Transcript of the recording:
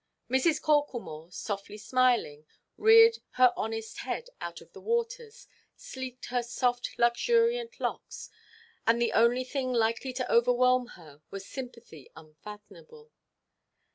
Mrs. Corklemore, softly smiling, reared her honest head out of the waters, sleeked her soft luxuriant locks, and the only thing likely to overwhelm her was sympathy unfathomable.